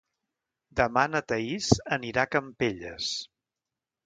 Demà na Thaís anirà a Campelles.